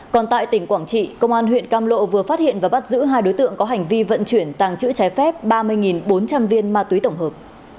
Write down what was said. còn tại tỉnh quảng trị công an huyện cam lộ vừa phát hiện và bắt giữ hai đối tượng có hành vi vận chuyển tàng chữ trái phép ba mươi bốn trăm linh viên ma túy tổng hợp